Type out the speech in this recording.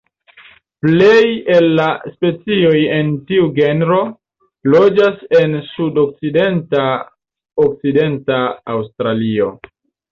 Plej el la specioj en tiu genro loĝas en sudokcidenta Okcidenta Aŭstralio.